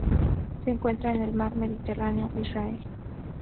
Se encuentra en el Mar Mediterráneo: Israel.